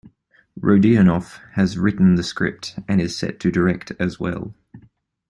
Rodionoff has written the script, and is set to direct as well.